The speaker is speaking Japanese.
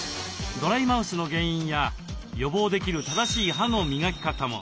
ドライマウスの原因や予防できる正しい歯の磨き方も。